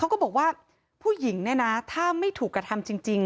ก็บอกว่าผู้หญิงเนี่ยนะถ้าไม่ถูกกระทำจริง